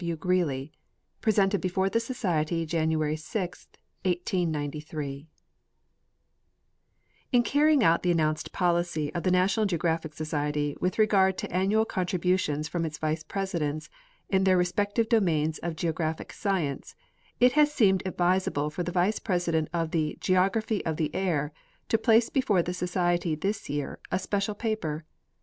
AV. GREELY {Presented before the Society January 6, 1S9S) In carrying out the announced policy of the National Geo graphic Society with regard to annual contributions from its vice presidents in their respective domains of geographic science, it has seemed advisable for the vice president of the " Geography of the Air " to place before the Society this year a special paper.